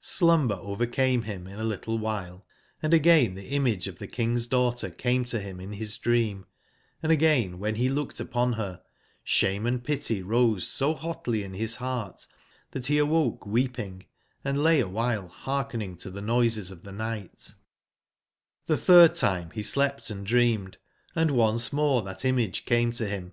Slumber overcame him in a little while, <& again the image of the King's daughter came to him in his dream, and again when he looked upon her, shame and pity rose so hotly in his heart that he awoke weeping,&lay awhile heark ening to the noises of the night, ^he third time he k2 131 elcpt and dreamed; and once more that image came to bim.